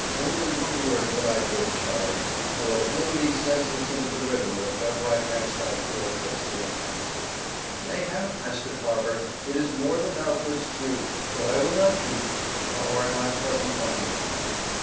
Only one word for thy good, Charlie. I will fling thee senseless into the river if ever I catch thy girl face here again." "Mayhap, Master Carver, it is more than thou couldst do. But I will not keep thee; thou art not pleasant company to night.